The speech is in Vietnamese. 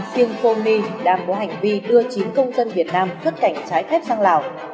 siêng phô ni đàm bố hành vi đưa chín công dân việt nam cất cảnh trái phép sang lào